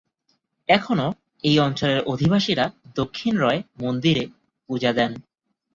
এখনও এই অঞ্চলের অধিবাসীরা দক্ষিণরায় মন্দিরে পূজা দেন।